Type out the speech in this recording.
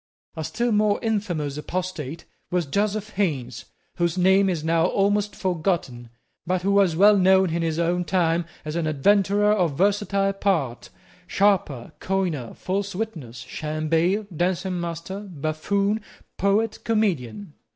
A still more infamous apostate was Joseph Haines, whose name is now almost forgotten, but who was well known in his own time as an adventurer of versatile parts, sharper, coiner, false witness, sham bail, dancing master, buffoon, poet, comedian.